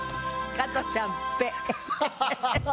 加トちゃんペ。